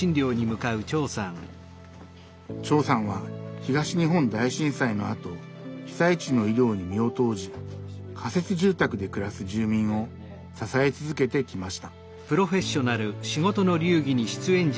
長さんは東日本大震災のあと被災地の医療に身を投じ仮設住宅で暮らす住民を支え続けてきました。